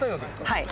はい。